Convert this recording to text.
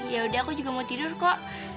yaudah aku juga mau tidur kok